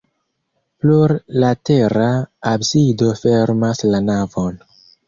Plurlatera absido fermas la navon.